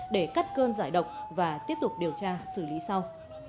để cắt cơn giải độc và tiếp tục điều tra xử lý sau